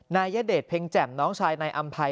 นายยเดชเพ็งแจ่มน้องชายนายอำภัย